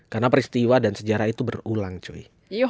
karena peristiwa dan sejarah itu berulang cuy